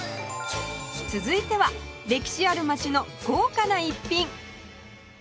続いては歴史ある街の豪華な逸品！